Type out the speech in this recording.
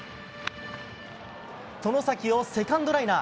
外崎をセカンドライナー。